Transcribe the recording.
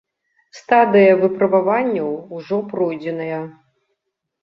Стадыя выпрабаванняў ўжо пройдзеная.